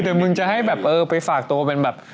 แต่มึงจะให้แบบเออไปฝากโตเป็นแบบ